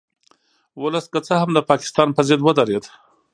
ولس که څه هم د پاکستان په ضد ودرید